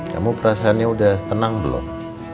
kamu perasanya sudah tenang belum